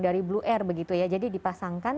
dari blue air begitu ya jadi dipasangkan